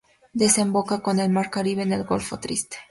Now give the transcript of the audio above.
Desemboca en el mar Caribe en el golfo Triste.